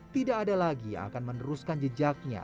tidak ada lagi yang akan meneruskan jejaknya